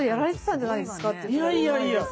いやいやいや。